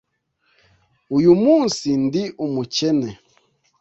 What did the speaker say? uyu munsi ndi umukene,